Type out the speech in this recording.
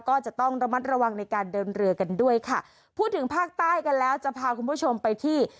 ก็จะต้องระมัดระวังในการเดินเรือกันด้วยค่ะพูดถึงภาคใต้กันแล้วจะพาคุณผู้ชมไปที่